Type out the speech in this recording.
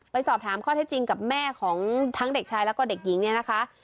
สอบถามข้อเท็จจริงกับแม่ของทั้งเด็กชายแล้วก็เด็กหญิงเนี่ยนะคะ